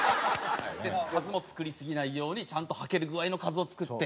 数も作りすぎないようにちゃんとはける具合の数を作って。